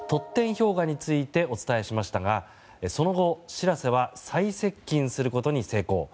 氷河についてお伝えしましたがその後、「しらせ」は最接近することに成功。